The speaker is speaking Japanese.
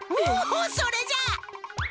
おおそれじゃ！